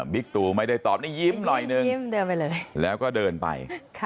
บิ๊กตูไม่ได้ตอบยิ้มหน่อยหนึ่งแล้วก็เดินไป